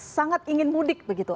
sangat ingin mudik begitu